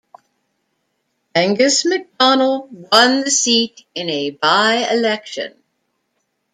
Angus Macdonell won the seat in a by-election.